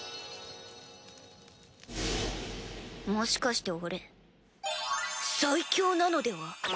もしかして俺最強なのでは？